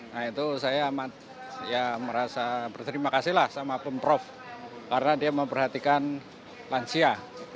nah itu saya amat ya merasa berterima kasih lah sama pemprov karena dia memperhatikan lansia